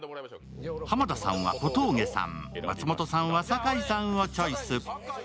浜田さんは小峠さん、松本さんは酒井さんをチョイス。